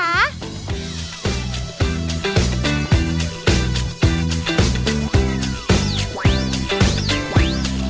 สวัสดีค่ะ